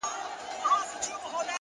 • که هر څو درانه بارونه چلومه,